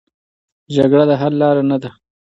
جګړه د حل لاره نه ده.